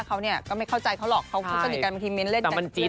เขาเนี่ยก็ไม่เข้าใจเขาหรอกเขาสนิทกันบางทีเม้นเล่นกับเพื่อนด้วย